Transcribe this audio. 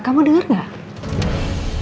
pak kamu denger gak